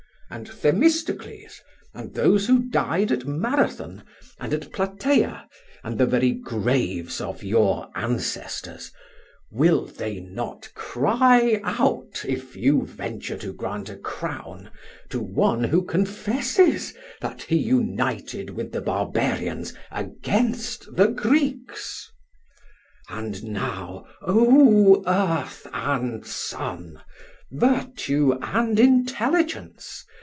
And Themistocles and those who died at Marathon and at Plataea, and the very graves of your ancestors will they not cry out if you venture to grant a crown to one who confesses that he united with the barbarians against the Greeks? And now, O earth and sun! virtue and intelligence!